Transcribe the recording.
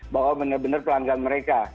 bahwa benar benar pelanggan mereka